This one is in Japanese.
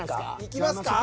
いきますか？